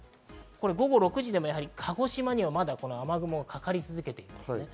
午後６時でも鹿児島にはまだ雨雲、かかり続けています。